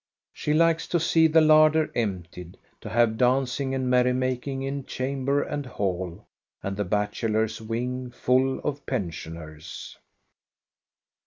She likes to see the larder emptied, to have dancing and merry making in chamber and hall, and the bache lors' wing full of pensioners.